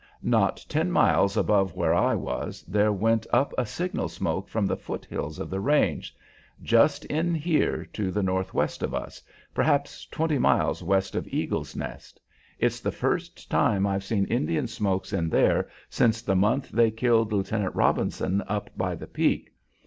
Not ten miles above where I was there went up a signal smoke from the foot hills of the range, just in here to the northwest of us, perhaps twenty miles west of Eagle's Nest. It's the first time I've seen Indian smokes in there since the month they killed Lieutenant Robinson up by the peak.